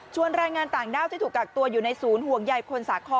แรงงานต่างด้าวที่ถูกกักตัวอยู่ในศูนย์ห่วงใยคนสาคร